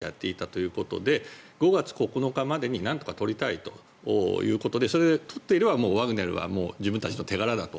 しかもワグネルがかなり主体になってやっていたということで５月９日までになんとか取りたいということでそれで取っていればワグネルは自分たちの手柄だと。